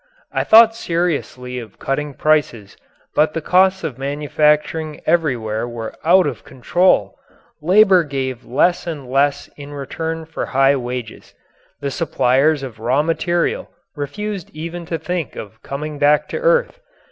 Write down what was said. I thought seriously of cutting prices, but the costs of manufacturing everywhere were out of control. Labour gave less and less in return for high wages. The suppliers of raw material refused even to think of coming back to earth.